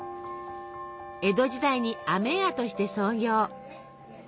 江戸時代に飴屋として創業。